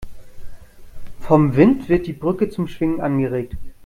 Vom Wind wird die Brücke zum Schwingen angeregt.